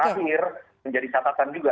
akhir menjadi catatan juga